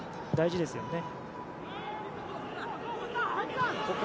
大事ですよね。